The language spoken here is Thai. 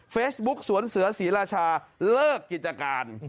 เฟซบุ๊กสวนเสือศรีรชาเลิกกิจการ